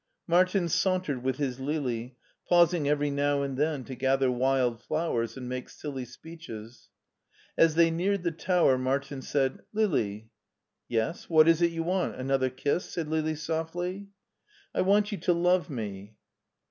Martin sauntered with his Lili, pausing every now and then to gather wild flowers and make silly speeches. As they neared the tower Martin said :" Lili." "Yes, what is it you want? Another kiss?" said Lili softly. " I want you to love me."